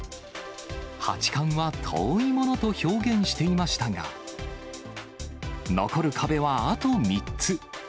八冠は遠いものと表現していましたが、残る壁はあと３つ。